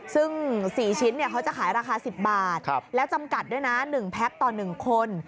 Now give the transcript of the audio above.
ซึ่ง๔ชิ้นเขาจะขายราคา๑๐บาทแล้วจำกัดด้วยนะ๑แพ็คต่อ๑คน